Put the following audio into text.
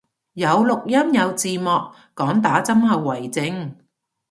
有錄音有字幕，講打針後遺症